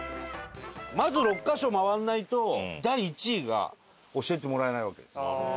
まず６カ所回らないと第１位が教えてもらえないわけよ。